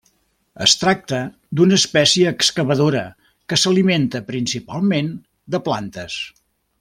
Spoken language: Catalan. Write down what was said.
Es tracta d'una espècie excavadora que s'alimenta principalment de plantes.